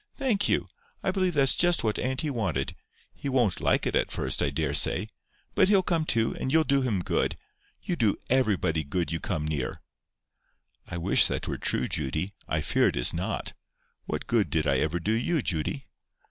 "Thank you. I believe that's just what auntie wanted. He won't like it at first, I daresay. But he'll come to, and you'll do him good. You do everybody good you come near." "I wish that were true, Judy. I fear it is not. What good did I ever do you, Judy?"